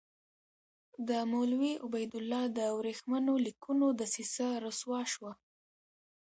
د مولوي عبیدالله د ورېښمینو لیکونو دسیسه رسوا شوه.